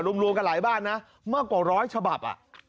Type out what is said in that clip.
รวมกันหลายบ้านนะมากกว่าร้อยฉบับ